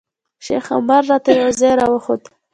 شیخ عمر راته یو ځای راوښود.